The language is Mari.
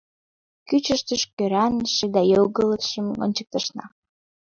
Кӱчыштыш, кӧраныше да йогылыкшым ончыктышна.